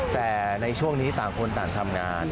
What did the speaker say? แต่ในช่วงนี้ต่างคนต่างทำงาน